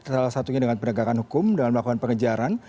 salah satunya dengan penegakan hukum dengan melakukan pengejaran